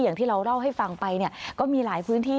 อย่างที่เราเล่าให้ฟังไปเนี่ยก็มีหลายพื้นที่